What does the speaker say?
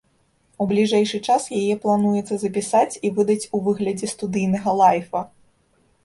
У бліжэйшы час яе плануецца запісаць і выдаць у выглядзе студыйнага лайфа.